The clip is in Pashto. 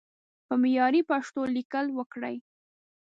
په معياري پښتو ليکل وکړئ!